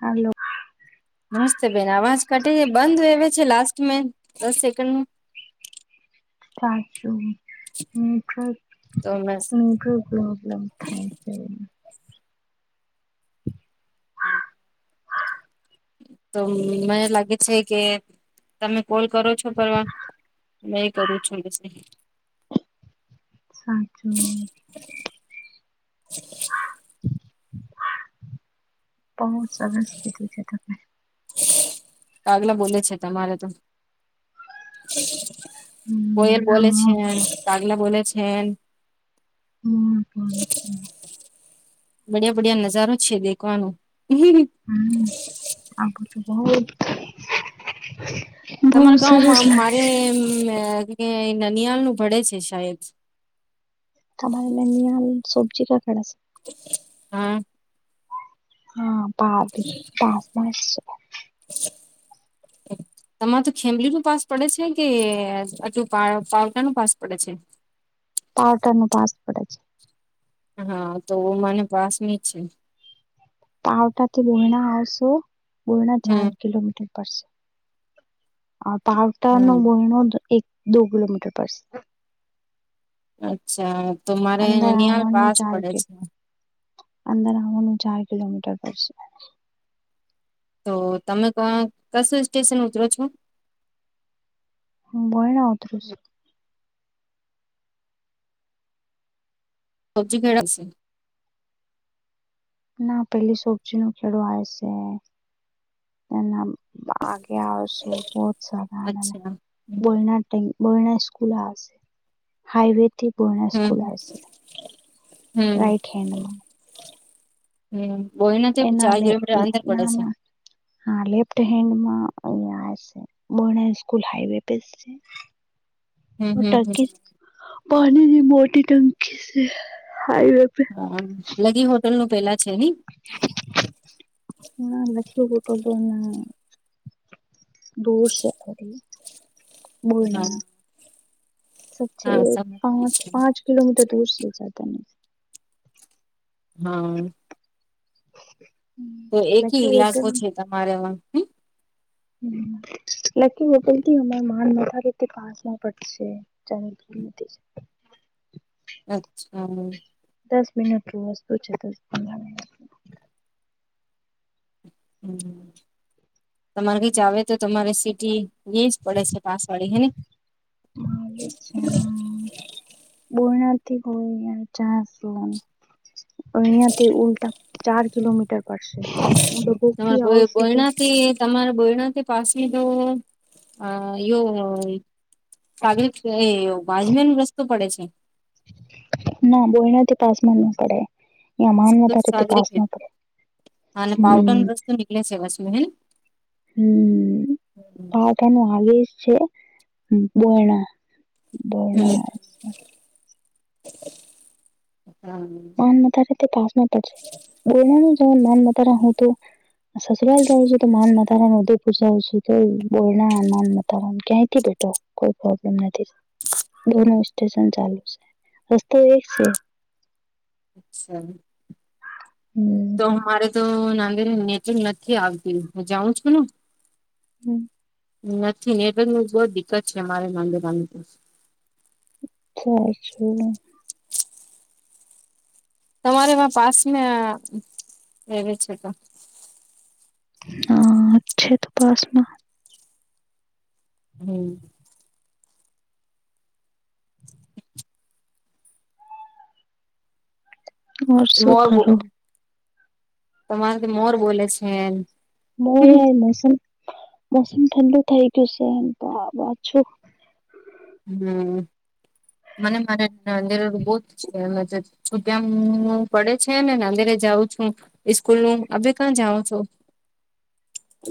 Hello. નમસ્તે બેન અવાજ કાટી બંધ આવે છે લાસ્ટ દસ સેકન્ડ ને ચાર સો મટો તો મેં મટો પ્રોબ્લેમ થાય છે એ હમમ. તો મને લાગે છે કે તમે કોલ કરો છો કરવા નહી કરું છો બસ [unintelligible] સાચું [unintelligible] બહ સરસ કે દીજ ત [unintelligible] કાગલા બોલે છે તમારે તો [unintelligible] હમ કોયલ બ આ છે મોર પાગલા બ છે [unintelligible] હ પણ [inaudible] બડિયા બડિયા નજારો છે દેખવાનો [unintelligible] હમ આગ તો બહત [inaudible] તમારા ગામંમાં મારે નનિયાળ નું ભડે છે શહેદ [unintelligible] તમારેની સબ્જી કકાડા છે [unintelligible] હા [inaudible] હા બાર પાચ માસ [unintelligible] [inaudible] [inaudible] તમારે તો ખેમલી નું પાસ પડે છે કે આટલું પાવટા નું પાસ પડે છે [unintelligible] પટર નું પાસપર્ડ છે [unintelligible] હા તો મને પાસ ની જ છે [unintelligible] પાવટાથી બોર્ણા આવશો બોર્ણા ચાર હમ કિલોમીટર પડશે પાવટાનો હમ બોયણો એક દો કિલોમીટર પર અચ્છા તો મારે અંદર અનિયાળ આવવાનું પાસ ચાર પડે કિલો છે અંદર આવવાનું ચાર કિલોમીટર કરશે [inaudible] તો તમે કશું સ્ટેશન ઉતરો છો [unintelligible] હુ બયણા ઊતરું છુ સબ્જીી કેડા છે [unintelligible] ના પેલી સોબજી નું ખેડું આવે છે [unintelligible] ના ના આગે આવ શું બહુ સારા [inaudible] અચ્છા બણા બણા સ્કૂલ હાઈવે [unintelligible] તે બના સ્કૂલ હમ છે હમ રાઈટ હેન્ડમાં [unintelligible] હમ બોહીને તો એના ચાર કિલોમીટર અંદર પડે ના છે [unintelligible] ના હા લેફ્ટ હેન્ડમાં અયા છે બો સ્કૂલ હાઈવે છે [unintelligible] [inaudible] [inaudible] હમ હમ ટંકી પાણીની મોટી ટંકી છે હાાઈવે પે મ લગી હોટલ નું પેલા છે ને ના લખી તો તોને [unintelligible] દો શ થડી હા મૂનાનું [unintelligible] સ છે હા સમજ પાંચ ગઈ છે પાંચ કિલોમીટર દૂર જદ ન [unintelligible] હા [inaudible] [inaudible] તો એકી ઈલાકો છે તમારેમાં હ [unintelligible] હ લકી બ બોલતી અમા માન મથા રહેતી [unintelligible] [inaudible] અચ્છા [inaudible] દસ મિનિટ વસ્તુ છે દસ પંદર મિન [unintelligible] હમ તમારે કઈ જ આવે તો તમારે સિટી લે જ પડે છે પાસવાળી હેને [unintelligible] હ બનાથી હોય ચ [unintelligible] યા તે ઉલ્ટ ચાર કિલોમીટર પશે તમારે ભક્તી આવ બોય શધ [unintelligible] બોયણાથી તમારા બોયણા તે પાસે જો આ યો [unintelligible] સાળ એ બાાજમ ન રસ્તો પડે છે [unintelligible] ના બોલનાથી પાસમાં ના પડે અ તો માનારેથી સાગરી પાસ ખેડ ન પડે [unintelligible] અને પાવટર નુ હમ રસ્તો નીકળે છે, પાછું હે. ક આગે એ છે, બયના બયના. હમ. પા નાન તો [unintelligible] સસરાલ જાઉં છું, તો માન માારાન ઉદયપુર જાઉં છું, તો બોરણા માન માર ક્યાં થી બેઠો? કોઈ પ્રબ્મ નથી, બસ સ્ટેશન ચાલુ છે, રસ્તો એક છે. અચ્છા. હમ. તો મારે તો નાંદે નેટ નથી આવતી, હું જાઉં છું ને. હમ. નથી નેટ, બહુ દિકકત છે, અમારે માંડેરાની તો. સાછું [unintelligible] તમારે માં પાસ ને, એવી છે તો. હા, અચ્છા તો પાસમાં. હમ. ઓર શું મોરો કરો તમારે તો મોર બોલે છે, એમ. બો યાર મોસમ મોસમ ઠંડુ થઈ ગયું છે, એમ તો પાછું. હમ. મને મારે બહુ જ છે, તો. પડે છે ને, અંદેરે જાઉં છું, સ્સ્કૂલ નું એ કં જાઉં છો.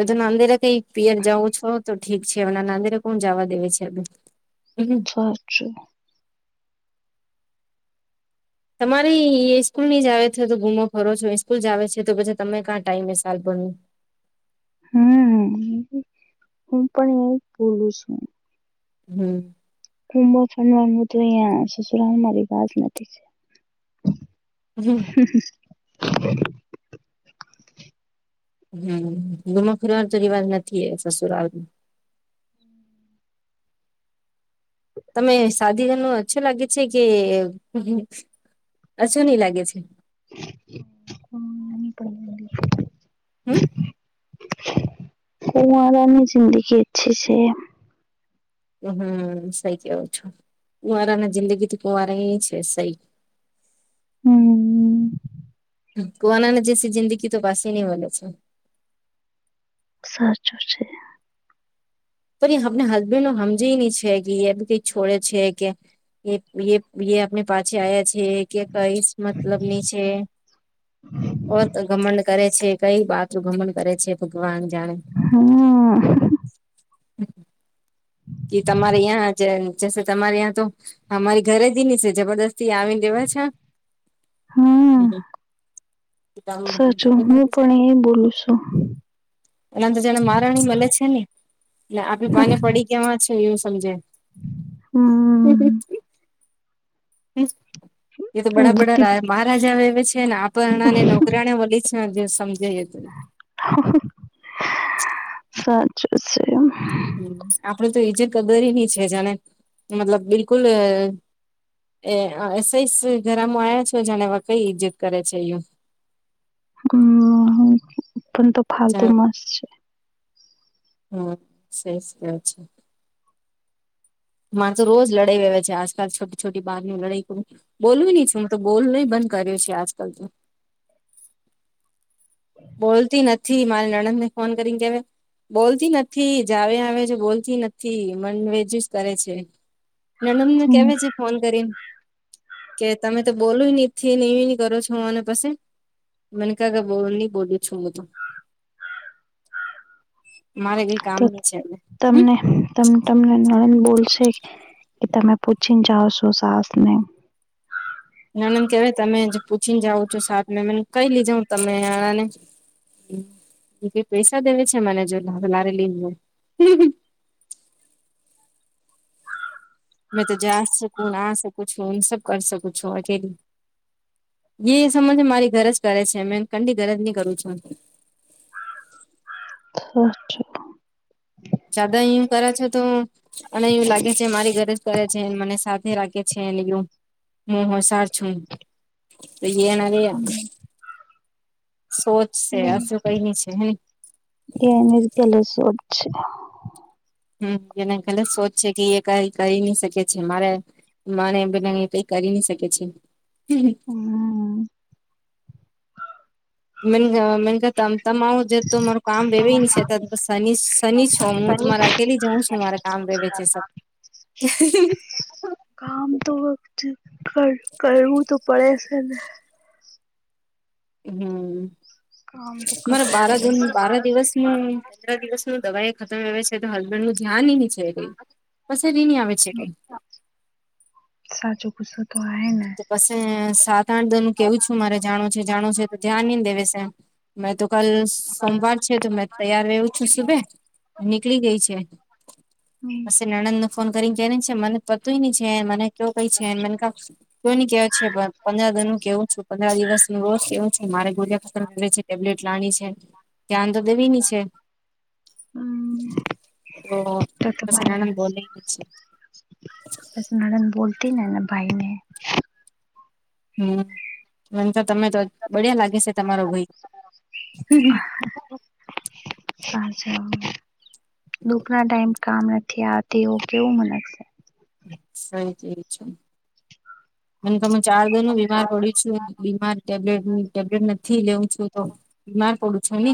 બધું નાંદેરે કઈ પિયર જવું છે, તો ઠીક છે, એમ નાંદેરે કોણ જવા દેવે છે. એ. પાછો. તમારી સ્સ્કૂલ ની જ આવે છે, તો ગુમો ખરો છો? સ્કૂલ જ આવે છે તો પછી તમે ક્યાં ટાઈમ સાલભરું? હમ, હું પણ એ જ બોલું છું. હમ. કું ફડવા તો, અહીં શશુરામ મારી વાત નથી. હમ. હ. હમ, ઘુમવા ફિરવાનો તો રિવાજ નથી, એ સસુરા. તમે સાદી ન અછો લાગે છે કે? અછો નહી લાગે છે? પ [unintelligible] હમ. કુવારાની જિંદગી અચ્છી છે. હમ, સહી કેવું છો, કુંવારાને જિંદગી થી કુંવારા એ છે, સહી. હમ. કુવાના જે જિંદગી તો પાસે નહીં મળે છે. સાચું છે. પણ આપને હસબેન્ડ નો સમજે નહીં છે કે, બી કઈક છોડે છે કે. એ આપને પાછી આવ્યા છે કે, કઈ મતલબની છે, ઓત ગમડ કરે છે, કંઈ બાત્રું ભમણ કરે છે, ભગવાન જાણે. હમ. હમ. હમ. કે તમારે યાં તમારે ત્યાં તો અમારી ઘરે જ છે, જબરદસ્તી આવી. કેવા છે? હમ, સાચું, હું પણ એ બોલું છું. એનાંદર જાને મારણી મે છે ને, એટલે આપડી પાને પડી. કે માં છે, એવું સમજે. હમ્મ હમ્મ હ એ તો બડા બુદ્ધિ બડા મહારાજા એ છે ને આપણાને નોકરીને વલી છે. હાજ સમજે તું સાચું છે. હમ્મ આપડે તો ઈજત કદરીની છે જેને મતલબ બિલકુલ એસઈસ ઘરામાં આવ્યા છો જાને કઈ ઈજ્જત કરે છે હમ્મ અપન તો ફાલતુ મસ્. હમ્મ શહેસ કેહો છો માર તો રોજ લડાઈ વવે છે આજકાલ છોટી છોટી બારની લડાઈ બોલવી નહી છ હું તો બોલ ન બંધ કર્યો છે આજકાલ તો. બોલતી નથી મારી નણંદ ને ફોન કરીને કેવા બોલતી નથી જ આવે આવે છે બોલતી નથી મન વજ જ કરે છે. નાનંદને હમ કેવે છે ફોન કરી કે તમે તો બોલું ન કરો છો હું મને પછી મને ક કે બો બોલું છું બધું મારે કઈ કામ તો ન છે એલે. તમને ત તમને નણંદ બોલશે. કે તમે પૂછીને જાા છો સાહસ ને. નાનંદ કેહેવાય તમે પૂછીને જાાવ છો સાપ મ કઈ લીજ હ તમે આણા ને કઈ પૈસા દેવે છે મને જો લારે લી મેં તો જા સકું આ સકું છ હું સબ કર શકું છ હું અકેલી. જે સમજ મારી ઘર જ કરે છે મે કંડી ઘર જ નહી કરું છું. હઠ જદા યુ કરે છે તો. અને એવું લાગે છે મારી ઘરેજ કરે છે મને સાથે રાખે છે યુ હ હ સાર છું તો એના ર સોચ છે હશું કઈ ન છે હ. એ કેલે શું છે. હમ્મ એને કલે સોચ છે કે એ કઈ કરી નઈ શકે છે મારે. મને એ બધા કઈ કરી ન શકે છે. હમ મન મન ત તમામ. જો તો તમારું કામ વેવેય હી છે ત શનિ શનિ છો હું તમારે અકેલી જાઉં છું મારે કામ રે બે છેે સ. કામ તો વત કર કરવું તો પડે છે. હમ્મ કામ તો મારે કરવું બાર પડે જૂન છે બાર દિવસનું પંદર દિવસનું દવાઈ ખતમ આવે છે તો હસબેન્ડ નું ધ્યાન ન છેઈ પસ બી ની આવે છે કઈ સાચો ગુસ્સો તો આ ને. પછ સાત આઠ દ નું કેવું છું મારે જાણો છે જાણો છે તો ધ્યાન નઈને દેવેશે. મેં તો કાલ સોમવાર છે તો મેં તૈયાર રહવું છું સુભે. નીકળી ગય છે હમ્મ પસે નણંદ નો ફોન કરીન કે છે મને પતુંય નહી છે મને કવ કઈ છે મન ક કોની કેવા છે પંદર દન નું કેવું છું પંદર દિવસ નું રોજ કેવું છે મારે ગોળિયા ખતર છે ટેબ્લેટ લાણી છે ધ્યાન તો દેવીની છે હમ તો તો પસે તમારે નણંદ બોલે છે બસ નણંદ બોલતી ન એના ભાઈને હમ્મ મન તો તમે તો બડ્યા લાગે છે તમારો ભઈ હમ્મ [inaudible] કહા સે હો દુઃખના ટાઈમ કામ નથી આવતી એ કેવું મલે સહી તેરી છ મન તો મે ચાર દીનું બીમાર પડી સુ બીમાર ટેબલેટ ટેબલેટ નથી લેઉ છું તો બીમાર પડું છે ને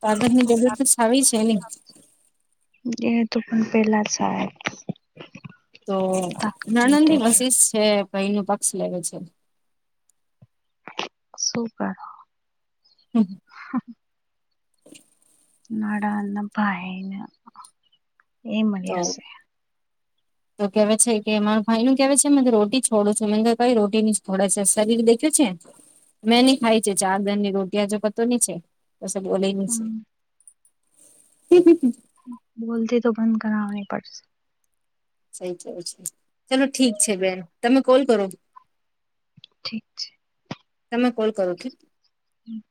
તાકાત ની જરૂર તો સારી છે ને એ તું પણ પેલા જાહે તો નણંદ ની વશિસ છે ભઈ નો પક્ષ લેવે છે. સુુ કરો? હમ હા નાડા ન ભાઈન એ તો મળ્યા સે [inaudible] તો કેવે છે કે મા ભાઈ નું કેવે છે મેં કે રોટી છોડુ છું મેં કીધું કઈ રોટી ની છોડે છે શરીર દે ખ્યો છે મેં ની ખાય છે ચાર જન ની રોટિયા જો પતો ની છે. કસે બોલે ની સે હમ બોલતી તો બંધ કરાવની પડશ સઈ કેવ છો ચલો ઠીક છે બેન તમે કોલ કરો. ઠીક છે. તમે કોલ કરો કે. હમ